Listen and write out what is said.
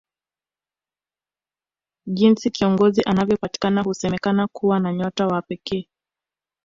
Jinsi kiongozi anavyopatikana husemakana kuwa na nyota ya pekee